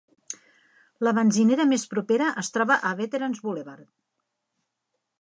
La benzinera més propera es troba a Veterans Boulevard.